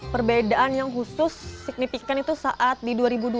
perbedaan yang khusus signifikan itu saat di dua ribu dua belas